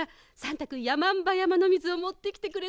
たくんやまんばやまのみずをもってきてくれたのよ。